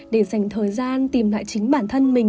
để dành thời gian tìm lại chính bản thân mình